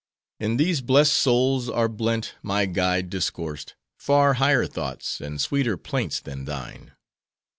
"'In these blest souls are blent,' my guide discoursed, 'far higher thoughts, and sweeter plaints than thine.